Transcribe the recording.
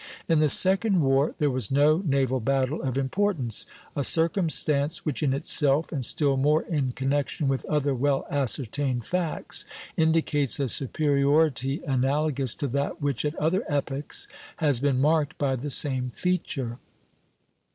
In the second war there was no naval battle of importance, a circumstance which in itself, and still more in connection with other well ascertained facts, indicates a superiority analogous to that which at other epochs has been marked by the same feature.